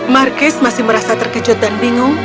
markis masih merasa terkejut dan bingung